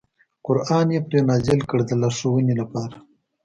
قران یې پرې نازل کړ د لارښوونې لپاره.